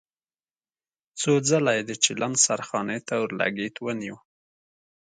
څو ځله يې د چيلم سرخانې ته اورلګيت ونيو.